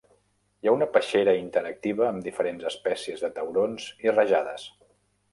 Hi ha una peixera interactiva amb diferents espècies de taurons i rajades.